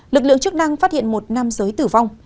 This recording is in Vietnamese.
lực lượng chức năng phát hiện một nam giới tử vong